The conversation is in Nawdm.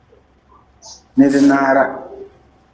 Nidnaara.